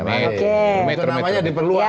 itu namanya diperluas